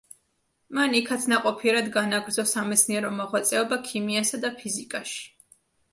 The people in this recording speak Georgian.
მან იქაც ნაყოფიერად განაგრძო სამეცნიერო მოღვაწეობა ქიმიასა და ფიზიკაში.